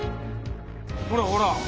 ほらほら。